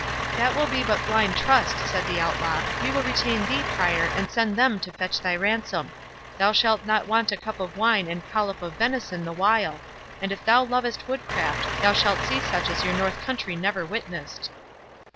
"That will be but blind trust," said the Outlaw; "we will retain thee, Prior, and send them to fetch thy ransom. Thou shalt not want a cup of wine and a collop of venison the while; and if thou lovest woodcraft, thou shalt see such as your north country never witnessed."